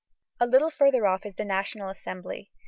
A little further off is the National Assembly.